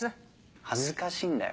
恥ずかしいんだよ